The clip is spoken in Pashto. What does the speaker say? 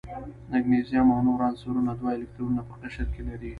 مګنیزیم او نور عنصرونه دوه الکترونه په قشر کې لري.